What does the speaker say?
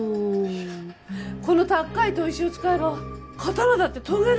この高い砥石を使えば刀だって研げるわよ。